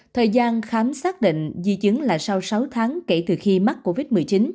thời gian khám xác định di chứng là sau sáu tháng kể từ khi mắc covid một mươi chín